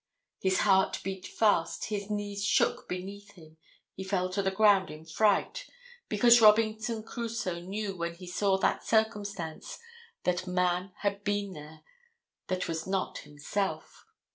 His heart beat fast, his knees shook beneath him, he fell to the ground in fright, because Robinson Crusoe knew when he saw that circumstance that man had been there that was not himself.